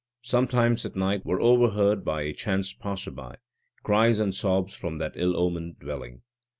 Sometimes at night were overheard, by a chance passer by, cries and sobs from that ill omened dwelling.